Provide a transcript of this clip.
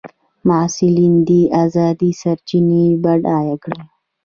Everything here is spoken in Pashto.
محصلین دي ازادې سرچینې بډایه کړي.